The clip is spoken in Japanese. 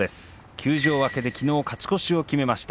休場明けできのう勝ち越しを決めました。